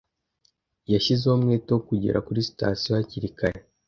Yashyizeho umwete wo kugera kuri sitasiyo hakiri kare.